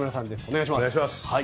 お願いします。